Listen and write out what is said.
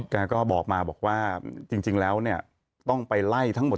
แกก็บอกมาบอกว่าจริงแล้วเนี่ยต้องไปไล่ทั้งหมด